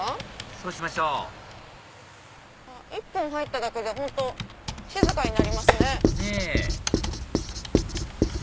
そうしましょう一本入っただけで静かになりますね。ねぇ！